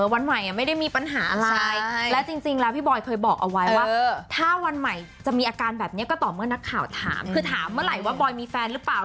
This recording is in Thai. วันใหม่ไม่ได้มีปัญหาอะไรและจริงแล้วพี่บอยเคยบอกเอาไว้ว่าถ้าวันใหม่จะมีอาการแบบนี้ก็ต่อเมื่อนักข่าวถามคือถามเมื่อไหร่ว่าบอยมีแฟนหรือเปล่า